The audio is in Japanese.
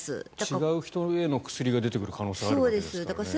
違う人への薬が出てくる可能性がありますからね。